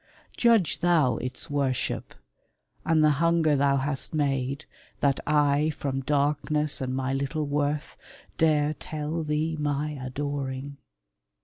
Judge thou Its worship, and the hunger thou hast made, That I, from darkness and my little worth, Dare tell thee my adoring.